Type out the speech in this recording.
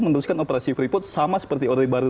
meneruskan operasi freeport sama seperti orde baru